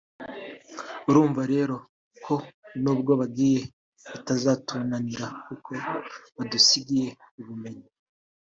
urumva rero ko nubwo bagiye bitazatunanira kuko badusigiye ubumenyi